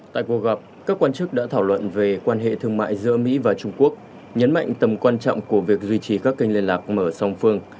tại cuộc gặp các quan chức đã thảo luận về quan hệ thương mại giữa mỹ và trung quốc nhấn mạnh tầm quan trọng của việc duy trì các kênh liên lạc mở song phương